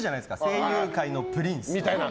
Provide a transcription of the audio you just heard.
声優界のプリンスみたいな。